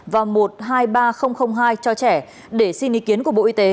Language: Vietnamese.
hai bốn một và một hai ba hai cho trẻ để xin ý kiến của bộ y tế